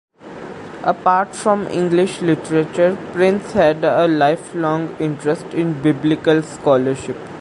Apart from English literature, Price had a lifelong interest in Biblical scholarship.